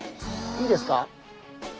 いいですか？